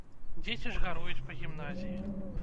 Дзеці ж гаруюць па гімназіі.